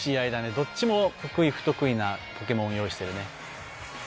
どっちも得意不得意なポケモンを用意してるね。